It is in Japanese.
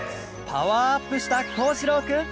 パワーアップしたこうじろうくん